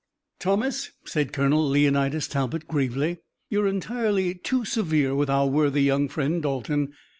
"Thomas," said Colonel Leonidas Talbot, gravely, "you're entirely too severe with our worthy young friend, Dalton.